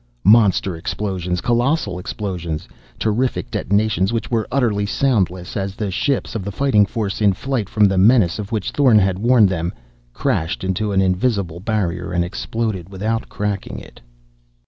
Monster explosions. Colossal explosions. Terrific detonations which were utterly soundless, as the ships of the Fighting Force, in flight from the menace of which Thorn had warned them, crashed into an invisible barrier and exploded without cracking it.